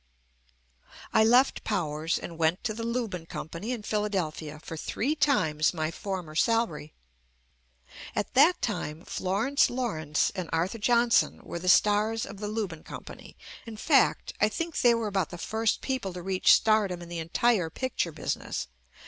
I left Powers and went to the Lubin Com pany in Philadelphia for three times my for mer salary. At that time Florence Lawrence and Arthur Johnson were the stars of the Lu bin Company, in fact, I think they were about the first people to reach stardom in the entire picture business.